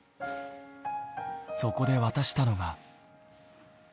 そこで渡したのが。